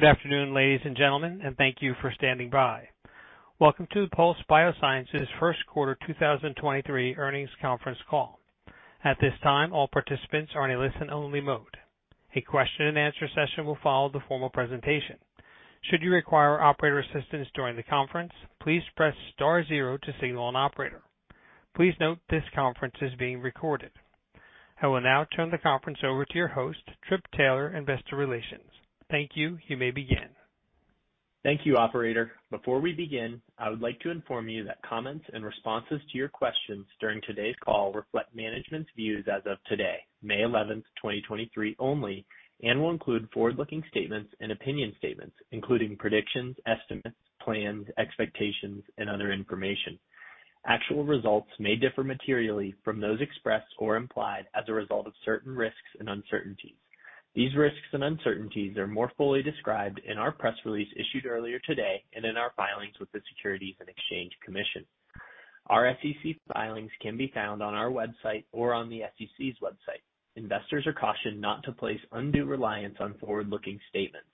Good afternoon, ladies and gentlemen. Thank you for standing by. Welcome to Pulse Biosciences' First Quarter 2023 Earnings Conference Call. At this time, all participants are in a listen only mode. A question-and-answer session will follow the formal presentation. Should you require operator assistance during the conference, please press star zero to signal an operator. Please note this conference is being recorded. I will now turn the conference over to your host, Trip Taylor, Investor Relations. Thank you. You may begin. Thank you, operator. Before we begin, I would like to inform you that comments and responses to your questions during today's call reflect management's views as of today, May 11, 2023 only, and will include forward-looking statements and opinion statements, including predictions, estimates, plans, expectations, and other information. Actual results may differ materially from those expressed or implied as a result of certain risks and uncertainties. These risks and uncertainties are more fully described in our press release issued earlier today and in our filings with the Securities and Exchange Commission. Our SEC filings can be found on our website or on the SEC's website. Investors are cautioned not to place undue reliance on forward-looking statements.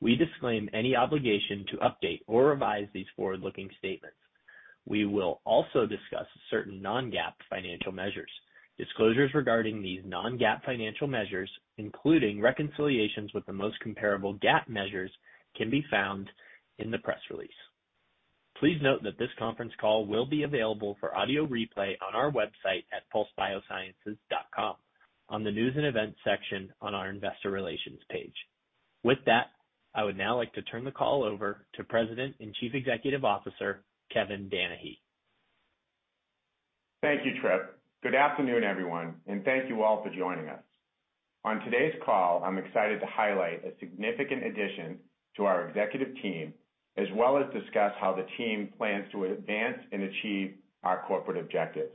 We disclaim any obligation to update or revise these forward-looking statements. We will also discuss certain non-GAAP financial measures. Disclosures regarding these non-GAAP financial measures, including reconciliations with the most comparable GAAP measures, can be found in the press release. Please note that this conference call will be available for audio replay on our website at pulsebiosciences.com on the News and Events section on our Investor Relations page. With that, I would now like to turn the call over to President and Chief Executive Officer, Kevin Danahy. Thank you, Trip. Good afternoon, everyone, and thank you all for joining us. On today's call, I'm excited to highlight a significant addition to our executive team, as well as discuss how the team plans to advance and achieve our corporate objectives.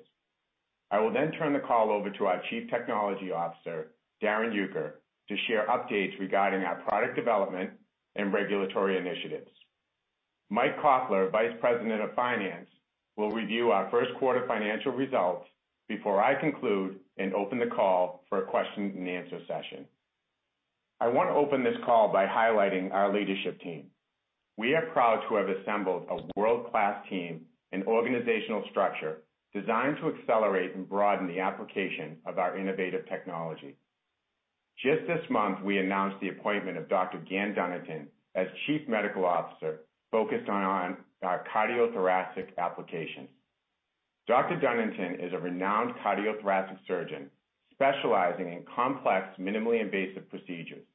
I will then turn the call over to our Chief Technology Officer, Darrin Uecker, to share updates regarding our product development and regulatory initiatives. Mike Koffler, Vice President of Finance, will review our first quarter financial results before I conclude and open the call for a question-and-answer session. I want to open this call by highlighting our leadership team. We are proud to have assembled a world-class team and organizational structure designed to accelerate and broaden the application of our innovative technology. Just this month, we announced the appointment of Dr. Gan Dunnington as Chief Medical Officer focused on our cardiothoracic application. Dr. Dunnington is a renowned cardiothoracic surgeon specializing in complex minimally invasive procedures.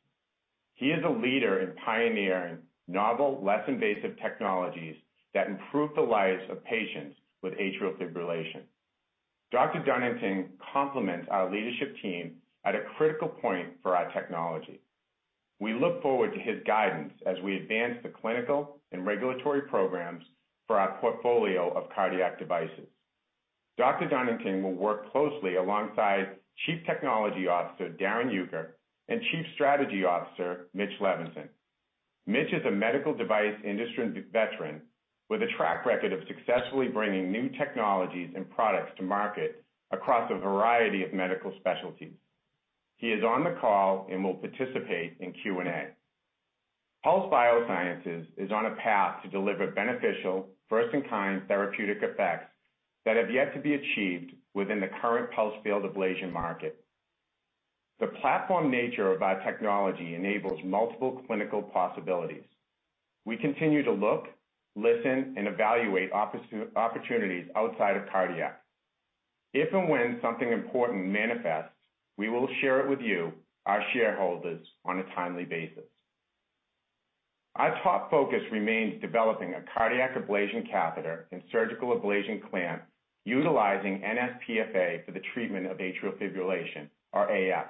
He is a leader in pioneering novel, less invasive technologies that improve the lives of patients with atrial fibrillation. Dr. Dunnington complements our leadership team at a critical point for our technology. We look forward to his guidance as we advance the clinical and regulatory programs for our portfolio of cardiac devices. Dr. Dunnington will work closely alongside Chief Technology Officer Darrin Uecker and Chief Strategy Officer Mitch Levinson. Mitch is a medical device industry veteran with a track record of successfully bringing new technologies and products to market across a variety of medical specialties. He is on the call and will participate in Q&A. Pulse Biosciences is on a path to deliver beneficial first-in-kind therapeutic effects that have yet to be achieved within the current Pulsed Field Ablation market. The platform nature of our technology enables multiple clinical possibilities. We continue to look, listen, and evaluate opportunities outside of cardiac. If and when something important manifests, we will share it with you, our shareholders, on a timely basis. Our top focus remains developing a cardiac ablation catheter and surgical ablation clamp utilizing nsPFA for the treatment of atrial fibrillation or AF.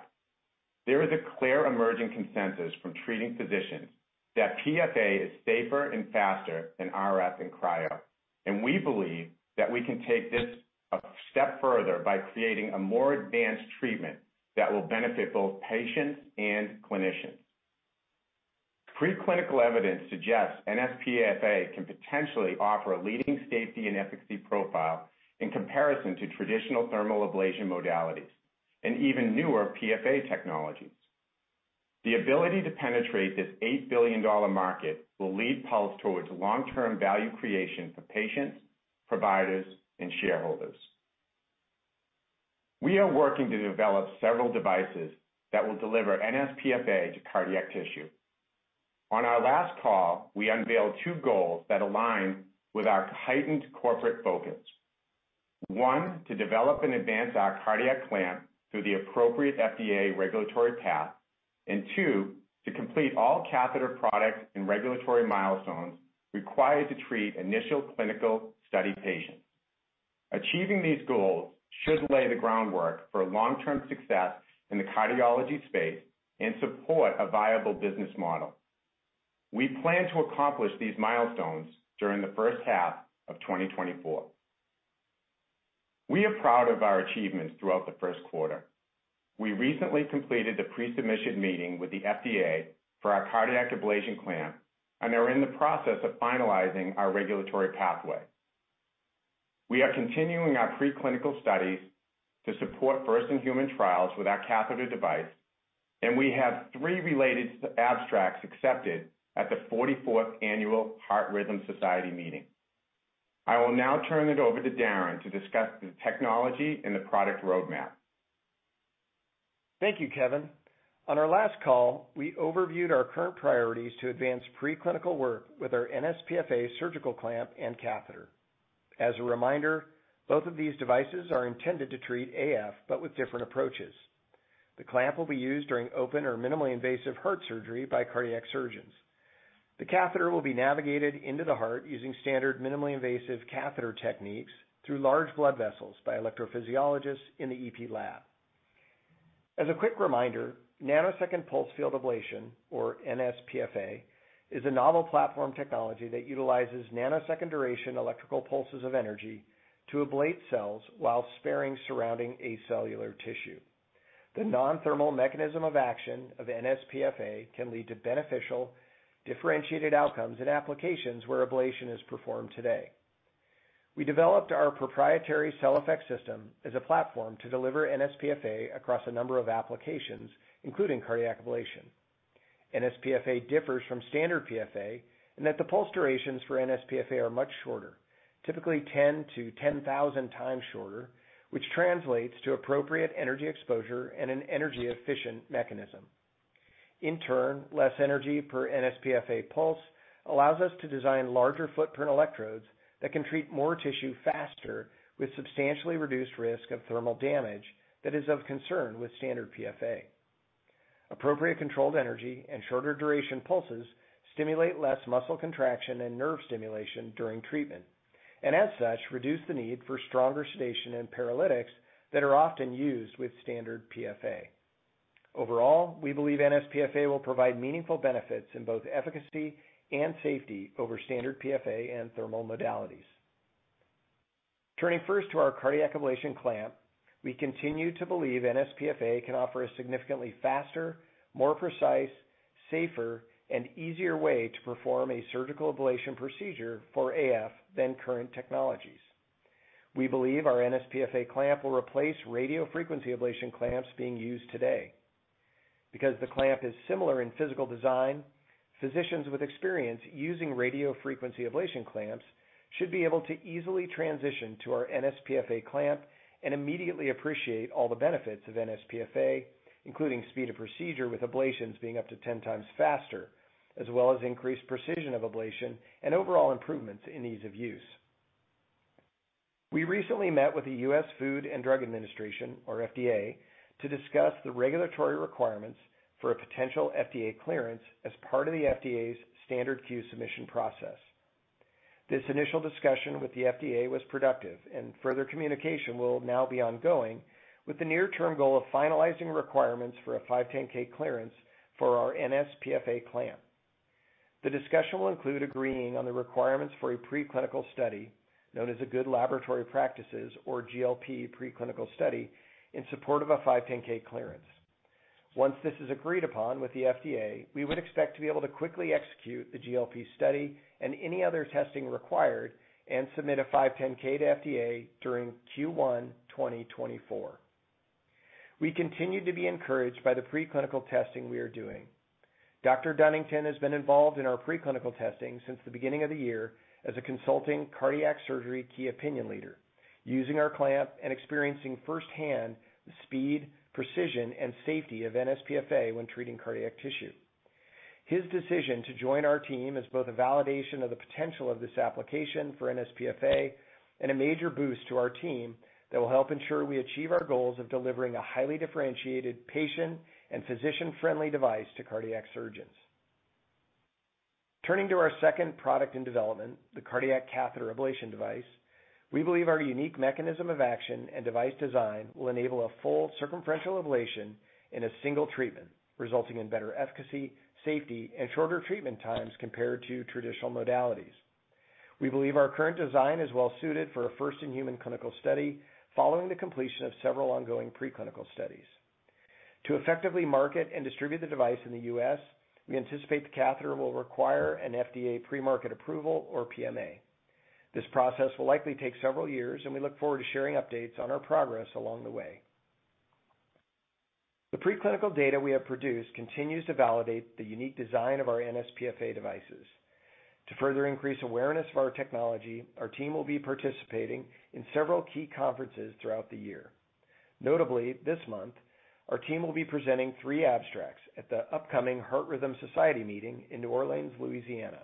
There is a clear emerging consensus from treating physicians that PFA is safer and faster than RF and cryo. We believe that we can take this a step further by creating a more advanced treatment that will benefit both patients and clinicians. Preclinical evidence suggests nsPFA can potentially offer a leading safety and efficacy profile in comparison to traditional thermal ablation modalities and even newer PFA technologies. The ability to penetrate this $8 billion market will lead Pulse towards long-term value creation for patients, providers, and shareholders. We are working to develop several devices that will deliver nsPFA to cardiac tissue. On our last call, we unveiled two goals that align with our heightened corporate focus. One: to develop and advance our cardiac clamp through the appropriate FDA regulatory path. Two: to complete all catheter products and regulatory milestones required to treat initial clinical study patients. Achieving these goals should lay the groundwork for long-term success in the cardiology space and support a viable business model. We plan to accomplish these milestones during the first half of 2024. We are proud of our achievements throughout the first quarter. We recently completed a pre-submission meeting with the FDA for our cardiac ablation clamp and are in the process of finalizing our regulatory pathway. We are continuing our preclinical studies to support first-in-human trials with our catheter device, and we have three related abstracts accepted at the 44th Annual Heart Rhythm Society meeting. I will now turn it over to Darrin to discuss the technology and the product roadmap. Thank you, Kevin. On our last call, we overviewed our current priorities to advance preclinical work with our nsPFA surgical clamp and catheter. As a reminder, both of these devices are intended to treat AF, but with different approaches. The clamp will be used during open or minimally invasive heart surgery by cardiac surgeons. The catheter will be navigated into the heart using standard minimally invasive catheter techniques through large blood vessels by electrophysiologists in the EP lab. As a quick reminder, Nanosecond Pulsed Field Ablation, or nsPFA, is a novel platform technology that utilizes nanosecond duration electrical pulses of energy to ablate cells while sparing surrounding acellular tissue. The non-thermal mechanism of action of nsPFA can lead to beneficial, differentiated outcomes in applications where ablation is performed today. We developed our proprietary CellFX system as a platform to deliver nsPFA across a number of applications, including cardiac ablation. nsPFA differs from standard PFA in that the pulse durations for nsPFA are much shorter, typically 10 to 10,000x shorter, which translates to appropriate energy exposure and an energy-efficient mechanism. In turn, less energy per nsPFA pulse allows us to design larger footprint electrodes that can treat more tissue faster with substantially reduced risk of thermal damage that is of concern with standard PFA. Appropriate controlled energy and shorter duration pulses stimulate less muscle contraction and nerve stimulation during treatment, and as such, reduce the need for stronger sedation and paralytics that are often used with standard PFA. Overall, we believe nsPFA will provide meaningful benefits in both efficacy and safety over standard PFA and thermal modalities. Turning first to our cardiac ablation clamp, we continue to believe nsPFA can offer a significantly faster, more precise, safer, and easier way to perform a surgical ablation procedure for AF than current technologies. We believe our nsPFA clamp will replace radiofrequency ablation clamps being used today. Because the clamp is similar in physical design, physicians with experience using radiofrequency ablation clamps should be able to easily transition to our nsPFA clamp and immediately appreciate all the benefits of nsPFA, including speed of procedure, with ablations being up to 10x faster, as well as increased precision of ablation and overall improvements in ease of use. We recently met with the U.S. Food and Drug Administration, or FDA, to discuss the regulatory requirements for a potential FDA clearance as part of the FDA's standard Q-Submission process. This initial discussion with the FDA was productive. Further communication will now be ongoing with the near-term goal of finalizing requirements for a 510(k) clearance for our nsPFA clamp. The discussion will include agreeing on the requirements for a preclinical study, known as a Good Laboratory Practice, or GLP, preclinical study in support of a 510(k) clearance. Once this is agreed upon with the FDA, we would expect to be able to quickly execute the GLP study and any other testing required and submit a 510(k) to FDA during Q1 2024. We continue to be encouraged by the preclinical testing we are doing. Dunnington has been involved in our preclinical testing since the beginning of the year as a consulting cardiac surgery key opinion leader, using our clamp and experiencing firsthand the speed, precision, and safety of nsPFA when treating cardiac tissue. His decision to join our team is both a validation of the potential of this application for nsPFA and a major boost to our team that will help ensure we achieve our goals of delivering a highly differentiated patient and physician-friendly device to cardiac surgeons. Turning to our second product in development, the cardiac catheter ablation device, we believe our unique mechanism of action and device design will enable a full circumferential ablation in a single treatment, resulting in better efficacy, safety, and shorter treatment times compared to traditional modalities. We believe our current design is well suited for a first-in-human clinical study following the completion of several ongoing preclinical studies. To effectively market and distribute the device in the U.S., we anticipate the catheter will require an FDA premarket approval or PMA. This process will likely take several years, and we look forward to sharing updates on our progress along the way. The preclinical data we have produced continues to validate the unique design of our nsPFA devices. To further increase awareness of our technology, our team will be participating in several key conferences throughout the year. Notably, this month, our team will be presenting three abstracts at the upcoming Heart Rhythm Society meeting in New Orleans, Louisiana.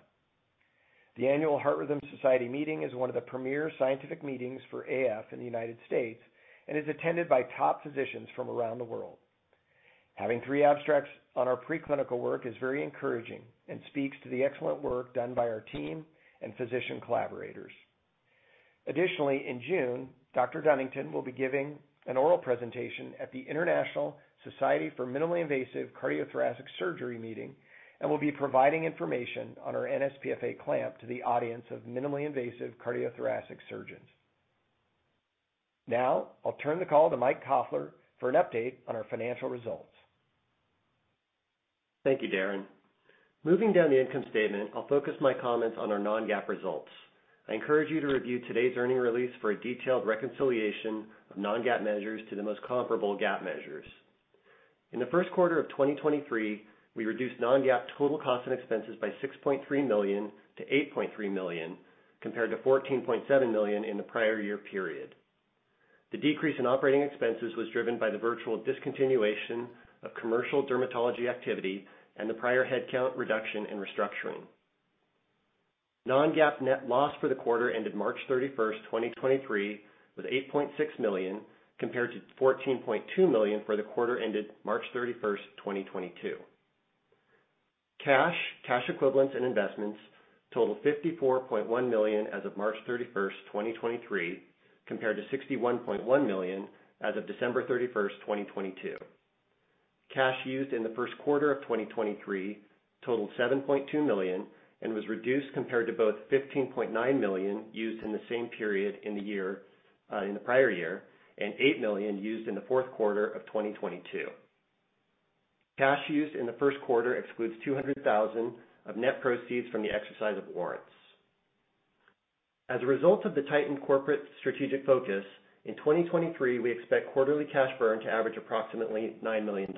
The Annual Heart Rhythm Society meeting is one of the premier scientific meetings for AF in the United States and is attended by top physicians from around the world. Having three abstracts on our preclinical work is very encouraging and speaks to the excellent work done by our team and physician collaborators. Additionally, in June, Dr. Dunnington will be giving an oral presentation at the International Society for Minimally Invasive Cardiothoracic Surgery meeting and will be providing information on our nsPFA clamp to the audience of minimally invasive cardiothoracic surgeons. I'll turn the call to Mike Koffler for an update on our financial results. Thank you, Darrin. Moving down the income statement, I'll focus my comments on our non-GAAP results. I encourage you to review today's earning release for a detailed reconciliation of non-GAAP measures to the most comparable GAAP measures. In the first quarter of 2023, we reduced non-GAAP total costs and expenses by $6.3 million to $8.3 million, compared to $14.7 million in the prior year period. The decrease in operating expenses was driven by the virtual discontinuation of commercial dermatology activity and the prior headcount reduction in restructuring. Non-GAAP net loss for the quarter ended March 31st, 2023 was $8.6 million, compared to $14.2 million for the quarter ended March 31st, 2022. Cash, cash equivalents, and investments totaled $54.1 million as of March 31st, 2023, compared to $61.1 million as of December 31st, 2022. Cash used in the first quarter of 2023 totaled $7.2 million and was reduced compared to both $15.9 million used in the same period in the year, in the prior year, and $8 million used in the fourth quarter of 2022. Cash used in the first quarter excludes $200,000 of net proceeds from the exercise of warrants. As a result of the tightened corporate strategic focus, in 2023, we expect quarterly cash burn to average approximately $9 million.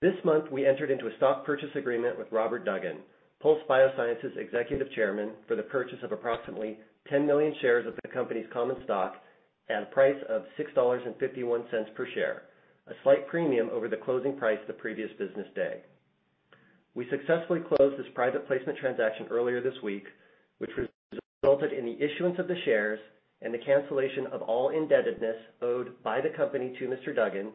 This month, we entered into a stock purchase agreement with Robert Duggan, Pulse Biosciences executive chairman, for the purchase of approximately 10 million shares of the company's common stock at a price of $6.51 per share, a slight premium over the closing price the previous business day. We successfully closed this private placement transaction earlier this week, which resulted in the issuance of the shares and the cancellation of all indebtedness owed by the company to Mr. Duggan,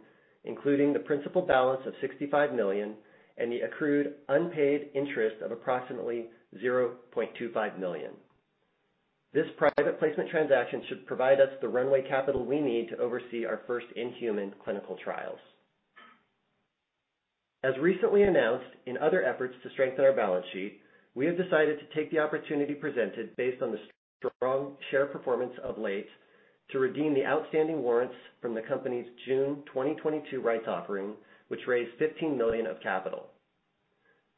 including the principal balance of $65 million and the accrued unpaid interest of approximately $0.25 million. This private placement transaction should provide us the runway capital we need to oversee our first in-human clinical trials. As recently announced, in other efforts to strengthen our balance sheet, we have decided to take the opportunity presented based on the strong share performance of late to redeem the outstanding warrants from the company's June 2022 rights offering, which raised $15 million of capital.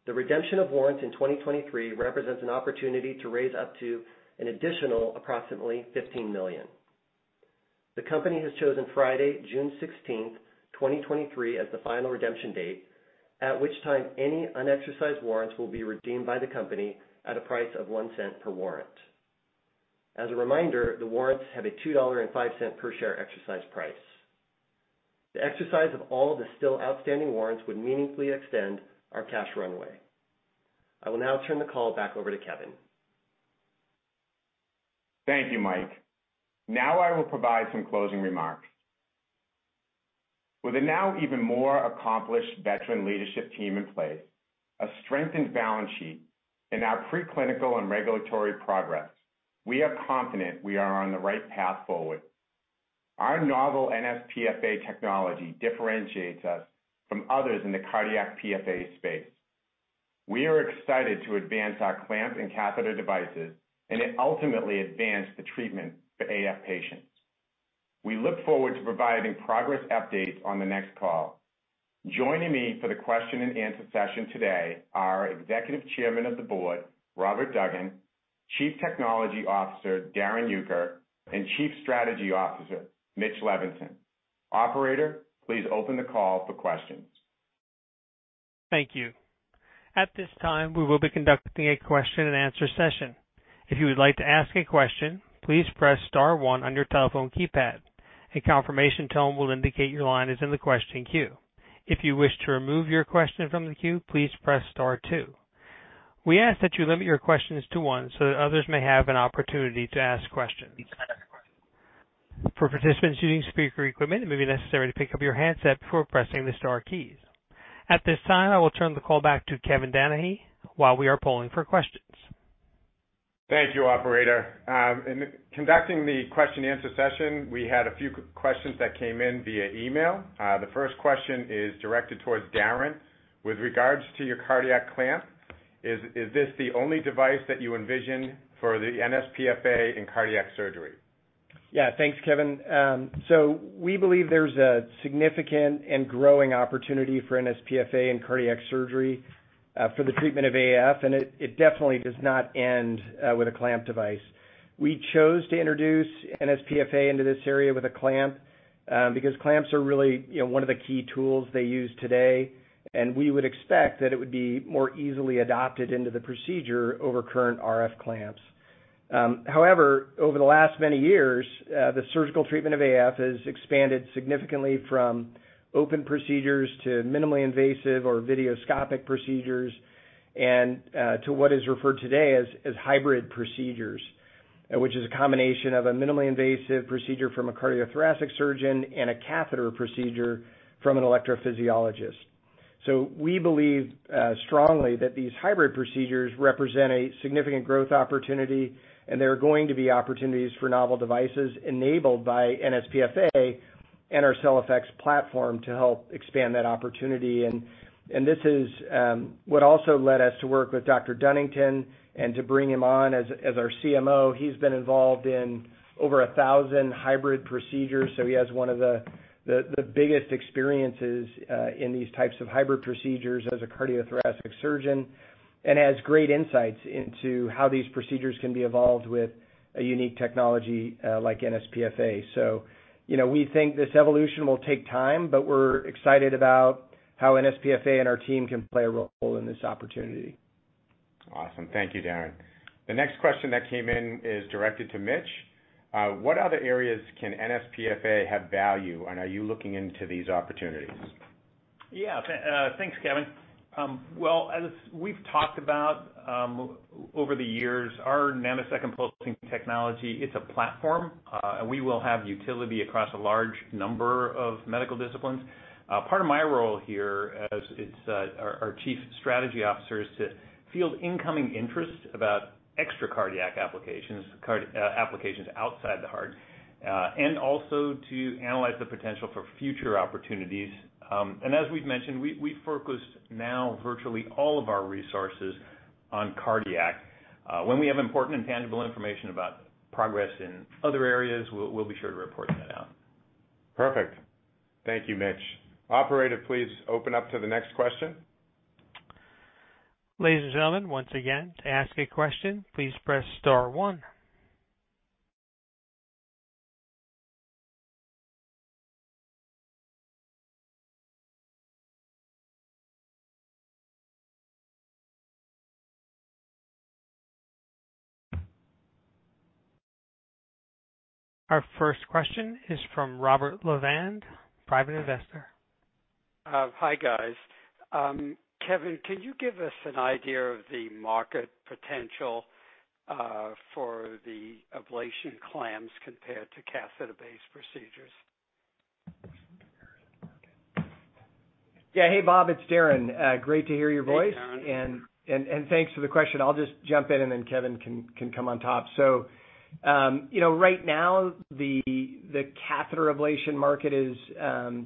The redemption of warrants in 2023 represents an opportunity to raise up to an additional approximately $15 million. The company has chosen Friday, June 16th, 2023, as the final redemption date, at which time any unexercised warrants will be redeemed by the company at a price of $0.01 per warrant. As a reminder, the warrants have a $2.05 per share exercise price. The exercise of all the still outstanding warrants would meaningfully extend our cash runway. I will now turn the call back over to Kevin. Thank you, Mike. Now I will provide some closing remarks. With a now even more accomplished veteran leadership team in place, a strengthened balance sheet, and our pre-clinical and regulatory progress, we are confident we are on the right path forward. Our novel nsPFA technology differentiates us from others in the cardiac PFA space. We are excited to advance our clamp and catheter devices, and it ultimately advanced the treatment for AF patients. We look forward to providing progress updates on the next call. Joining me for the question and answer session today are Executive Chairman of the Board, Robert Duggan, Chief Technology Officer, Darrin Uecker, and Chief Strategy Officer, Mitch Levinson. Operator, please open the call for questions. Thank you. At this time, we will be conducting a question and answer session. If you would like to ask a question, please press star one on your telephone keypad. A confirmation tone will indicate your line is in the question queue. If you wish to remove your question from the queue, please press star two. We ask that you limit your questions to one so that others may have an opportunity to ask questions. For participants using speaker equipment, it may be necessary to pick up your handset before pressing the star keys. At this time, I will turn the call back to Kevin Danahy while we are polling for questions. Thank you, operator. In conducting the question and answer session, we had a few questions that came in via email. The first question is directed towards Darrin. With regards to your cardiac clamp, is this the only device that you envision for the nsPFA in cardiac surgery? Yeah. Thanks, Kevin. We believe there's a significant and growing opportunity for nsPFA in cardiac surgery for the treatment of AF, and it definitely does not end with a clamp device. We chose to introduce nsPFA into this area with a clamp because clamps are really, you know, one of the key tools they use today, and we would expect that it would be more easily adopted into the procedure over current RF clamps. However, over the last many years, the surgical treatment of AF has expanded significantly from open procedures to minimally invasive or videoscopic procedures and to what is referred today as hybrid procedures, which is a combination of a minimally invasive procedure from a cardiothoracic surgeon and a catheter procedure from an electrophysiologist. We believe strongly that these hybrid procedures represent a significant growth opportunity, and there are going to be opportunities for novel devices enabled by nsPFA and our CellFX platform to help expand that opportunity and. This is what also led us to work with Dr. Dunnington and to bring him on as our CMO. He's been involved in over 1,000 hybrid procedures, so he has one of the biggest experiences in these types of hybrid procedures as a cardiothoracic surgeon and has great insights into how these procedures can be evolved with a unique technology like nsPFA. You know, we think this evolution will take time, but we're excited about how nsPFA and our team can play a role in this opportunity. Awesome. Thank you, Darrin. The next question that came in is directed to Mitch. What other areas can nsPFA have value, and are you looking into these opportunities? Yeah. Thanks, Kevin. Well, as we've talked about, over the years, our nanosecond pulsing technology, it's a platform. We will have utility across a large number of medical disciplines. Part of my role here as our Chief Strategy Officer is to field incoming interest about extra cardiac applications outside the heart, and also to analyze the potential for future opportunities. As we've mentioned, we focus now virtually all of our resources on cardiac. When we have important and tangible information about progress in other areas, we'll be sure to report that out. Perfect. Thank you, Mitch. Operator, please open up to the next question. Ladies and gentlemen, once again, to ask a question, please press star one. Our first question is from Robert Levand, private investor. Hi, guys. Kevin, can you give us an idea of the market potential for the ablation clamps compared to catheter-based procedures? Yeah. Hey, Bob. It's Darrin. Great to hear your voice. Hey, Darrin. Thanks for the question. I'll just jump in, and then Kevin Danahy can come on top. You know, right now, the catheter ablation market is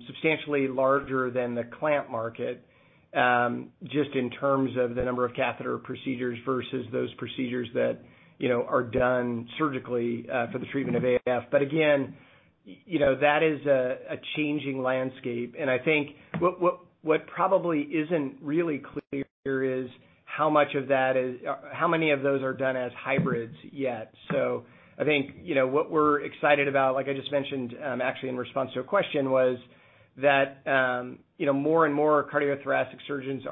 substantially larger than the clamp market, just in terms of the number of catheter procedures versus those procedures that, you know, are done surgically for the treatment of AF. Again, you know, that is a changing landscape. I think what probably isn't really clear is how many of those are done as hybrids yet. I think, you know, what we're excited about, like I just mentioned, actually in response to a question, was that, you know, more and more cardiothoracic surgeons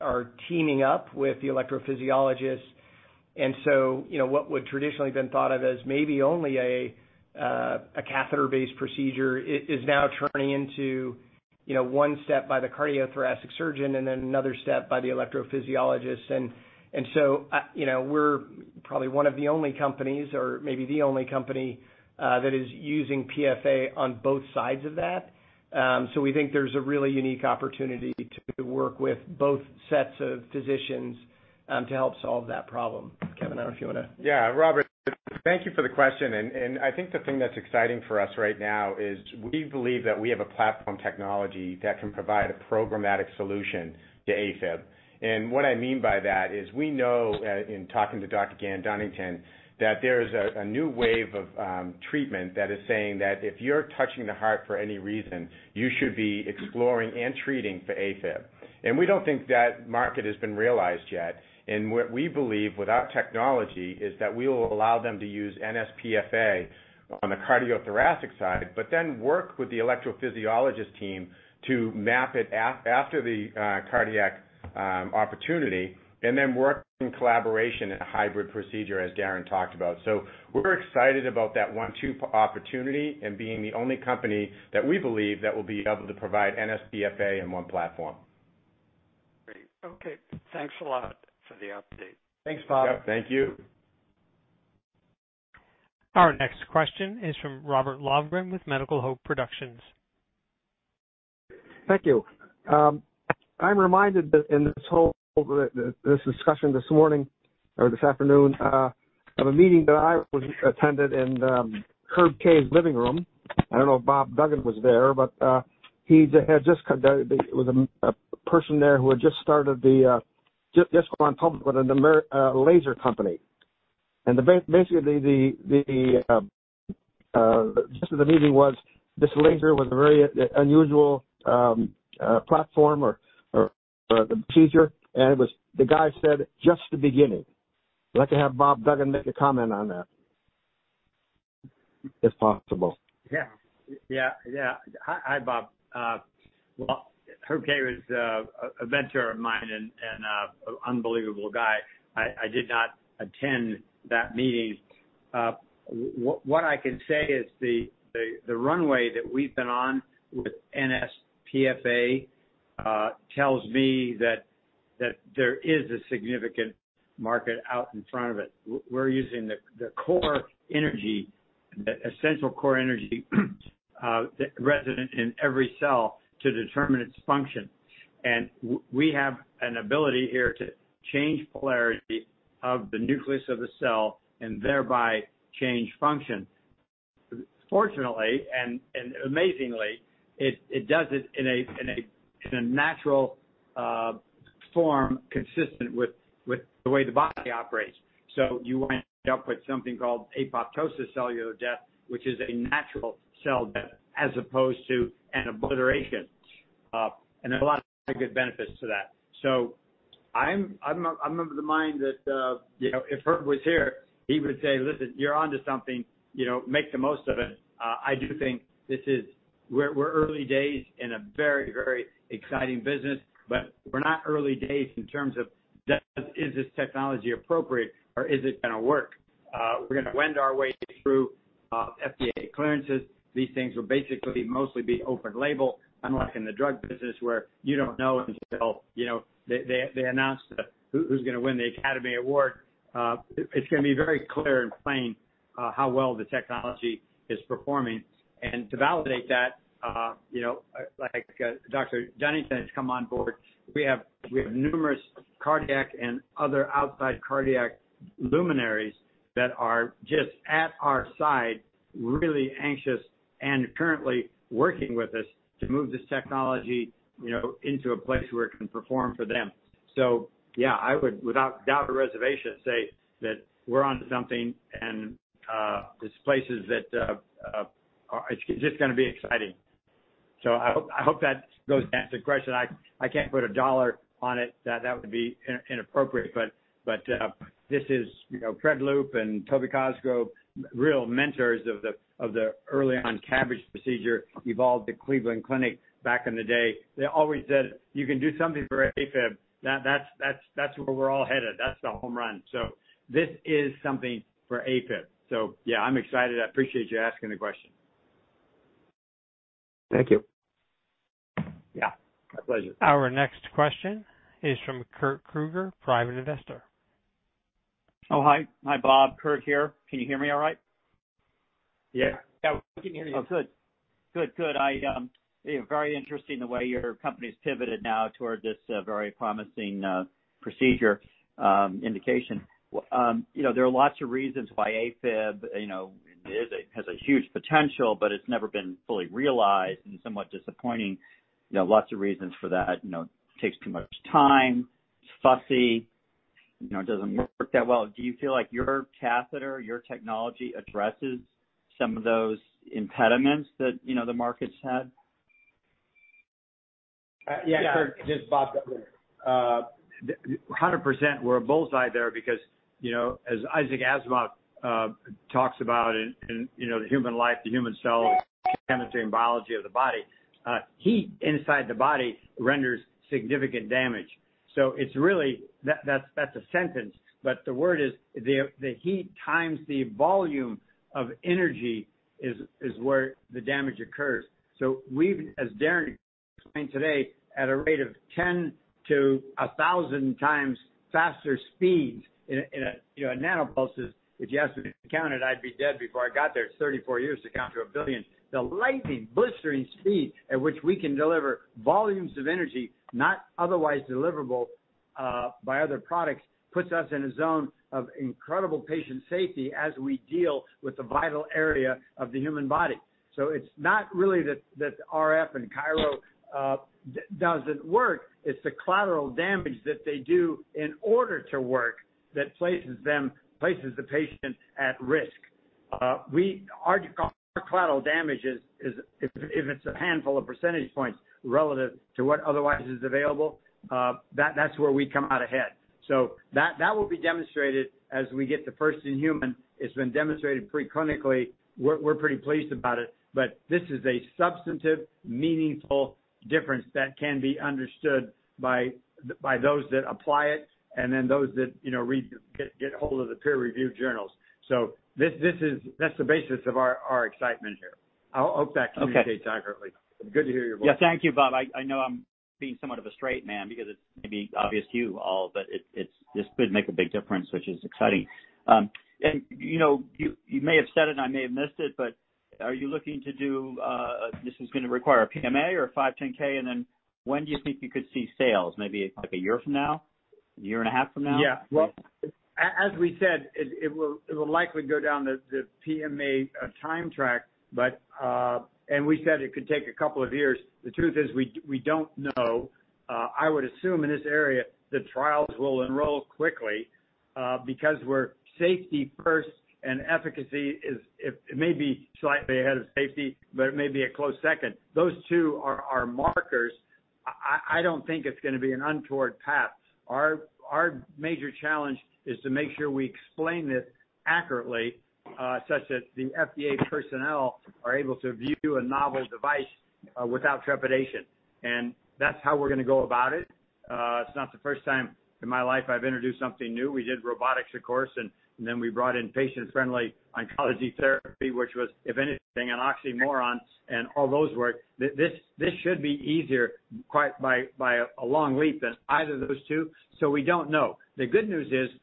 are teaming up with the electrophysiologists. You know, what would traditionally been thought of as maybe only a catheter-based procedure is now turning into, you know, one step by the cardiothoracic surgeon and then another step by the electrophysiologist. You know, we're probably one of the only companies or maybe the only company that is using PFA on both sides of that. We think there's a really unique opportunity to work with both sets of physicians to help solve that problem. Kevin, I don't know if you. Yeah. Robert, thank you for the question. I think the thing that's exciting for us right now is we believe that we have a platform technology that can provide a programmatic solution to AFib. What I mean by that is we know, in talking to Dr. Gan Dunnington, that there is a new wave of treatment that is saying that if you're touching the heart for any reason, you should be exploring and treating for AFib. We don't think that market has been realized yet. What we believe with our technology is that we will allow them to use nsPFA on the cardiothoracic side but then work with the electrophysiologist team to map it after the cardiac opportunity and then work in collaboration in a hybrid procedure, as Darrin talked about. We're excited about that one, two opportunity and being the only company that we believe that will be able to provide nsPFA in one platform. Great. Okay. Thanks a lot for the update. Thanks, Bob. Yeah. Thank you. Our next question is from Robert Lovgren with Medical Hope Productions. Thank you. I'm reminded that in this whole, this discussion this morning or this afternoon, of a meeting that I was attended in, Herb Kay's living room. I don't know if Bob Duggan was there, but it was a person there who had just started, just gone public with a laser company. Basically the gist of the meeting was this laser was a very unusual platform or procedure. The guy said just the beginning. I'd like to have Bob Duggan make a comment on that, if possible. Yeah. Yeah. Yeah. Hi. Hi, Bob. Well, Herb Kay was a mentor of mine and unbelievable guy. I did not attend that meeting. What I can say is the runway that we've been on with nsPFA tells me that there is a significant market out in front of it. We're using the core energy, the essential core energy resident in every cell to determine its function. We have an ability here to change polarity of the nucleus of the cell and thereby change function. Fortunately, and amazingly, it does it in a natural form consistent with the way the body operates. You wind up with something called apoptosis cellular death, which is a natural cell death as opposed to an obliteration. There's a lot of good benefits to that. I'm of the mind that, you know, if Herb was here, he would say, "Listen, you're onto something, you know, make the most of it." I do think we're early days in a very, very exciting business, but we're not early days in terms of is this technology appropriate or is it gonna work? We're gonna wend our way through FDA clearances. These things will basically mostly be open label, unlike in the drug business where you don't know until, you know, they announce the, who's gonna win the Academy Award. It's gonna be very clear and plain how well the technology is performing. To validate that, you know, like Dr. Johnny says, come on board. We have numerous cardiac and other outside cardiac luminaries that are just at our side, really anxious and currently working with us to move this technology, you know, into a place where it can perform for them. Yeah, I would, without doubt or reservation, say that we're onto something and this places that. It's just gonna be exciting. I hope that goes to answer your question. I can't put a dollar on it. That would be inappropriate. This is, you know, Fred Loop and Toby Cosgrove, real mentors of the early on CABG procedure evolved at Cleveland Clinic back in the day. They always said, "You can do something for AFib. That's where we're all headed. That's the home run." This is something for AFib. Yeah, I'm excited. I appreciate you asking the question. Thank you. Yeah, my pleasure. Our next question is from Kurt Kruger, private investor. Oh, hi. Hi, Bob. Kurt here. Can you hear me all right? Yeah. Yeah, we can hear you. Oh, good. Good, good. I. Very interesting the way your company's pivoted now toward this very promising procedure, indication. You know, there are lots of reasons why AF, you know, it has a huge potential, but it's never been fully realized and somewhat disappointing. You know, lots of reasons for that. You know, takes too much time, it's fussy, you know, it doesn't work that well. Do you feel like your catheter, your technology addresses some of those impediments that, you know, the market's had? Yeah. Kurt, this is Robert Duggan. 100% we're a bull's eye there because, you know, as Isaac Asimov talks about in, you know, the human life, the human cell, chemistry and biology of the body, heat inside the body renders significant damage. That's a sentence. The word is the heat times the volume of energy is where the damage occurs. We've, as Darrin explained today, at a rate of 10 to 1,000x faster speed in a, nanopulses. If you ask me to count it, I'd be dead before I got there. It's 34 years to count to a billion. The lightning blistering speed at which we can deliver volumes of energy not otherwise deliverable by other products, puts us in a zone of incredible patient safety as we deal with the vital area of the human body. It's not really that RF and cryo doesn't work, it's the collateral damage that they do in order to work that places the patient at risk. Our collateral damage is if it's a handful of percentage points relative to what otherwise is available, that's where we come out ahead. That will be demonstrated as we get the first in human. It's been demonstrated pre-clinically. We're pretty pleased about it. This is a substantive, meaningful difference that can be understood by those that apply it and then those that, you know, get hold of the peer review journals. This is... that's the basis of our excitement here. I hope that communicates accurately. Okay. Good to hear your voice. Yeah. Thank you, Bob. I know I'm being somewhat of a straight man because it's maybe obvious to you all, but it's, this could make a big difference, which is exciting. You know, you may have said it and I may have missed it, but are you looking to do, this is gonna require a PMA or a 510(k)? Then when do you think you could see sales? Maybe like a year from now? A year and a half from now? Yeah. Well, as we said, it will likely go down the PMA time track. We said it could take a couple of years. The truth is, we don't know. I would assume in this area, the trials will enroll quickly because we're safety first and efficacy is it may be slightly ahead of safety, but it may be a close second. Those two are markers. I don't think it's gonna be an untoward path. Our major challenge is to make sure we explain this accurately such that the FDA personnel are able to view a novel device without trepidation. That's how we're gonna go about it. It's not the first time in my life I've introduced something new. We did robotics, of course, and then we brought in patient friendly oncology therapy, which was, if anything, an oxymoron. All those were... This should be easier quite by a long leap than either of those two. We don't know. The good news is,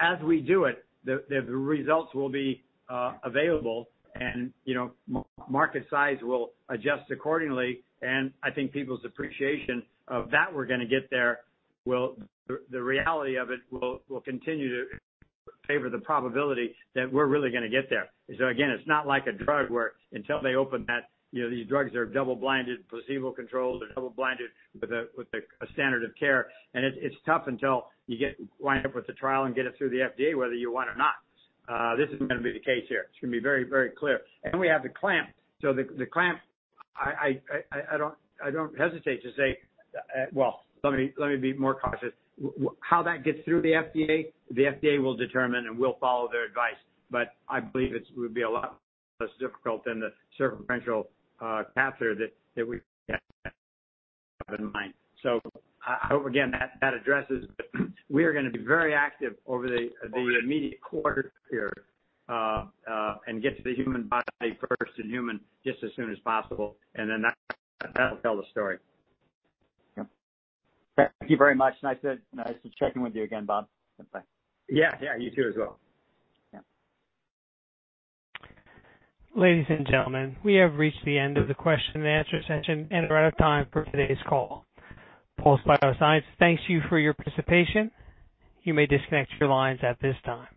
as we do it, the results will be available and, you know, market size will adjust accordingly. I think people's appreciation of that we're gonna get there will... The reality of it will continue to favor the probability that we're really gonna get there. Again, it's not like a drug where until they open that, you know, these drugs are double-blinded, placebo-controlled. They're double-blinded with a standard of care. It's tough until you wind up with the trial and get it through the FDA, whether you want or not. This is gonna be the case here. It's gonna be very, very clear. We have the clamp. The clamp, I don't hesitate to say... Well, let me be more cautious. How that gets through the FDA, the FDA will determine, and we'll follow their advice. I believe it would be a lot less difficult than the circumferential catheter that we have in mind. I hope again that addresses... We are gonna be very active over the immediate quarter here, and get to the human body first in human just as soon as possible. Then that'll tell the story. Yeah. Thank you very much. Nice, nice to check in with you again, Bob. Bye. Yeah. Yeah, you too as well. Yeah. Ladies and gentlemen, we have reached the end of the question and answer session and are out of time for today's call. Pulse Biosciences thanks you for your participation. You may disconnect your lines at this time.